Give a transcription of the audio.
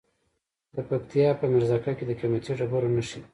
د پکتیا په میرزکه کې د قیمتي ډبرو نښې دي.